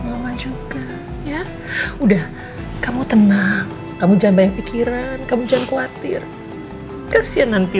sama juga ya udah kamu tenang kamu jangan pikiran kamu jangan khawatir kasihan nanti